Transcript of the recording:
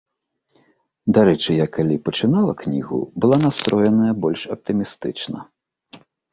Дарэчы, я, калі пачынала кнігу, была настроеная больш аптымістычна.